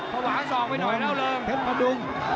เขาหวาส่องไปหน่อยแล้วเริง